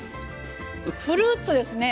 フルーツですね。